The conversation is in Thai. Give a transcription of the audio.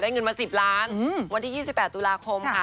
เงินมา๑๐ล้านวันที่๒๘ตุลาคมค่ะ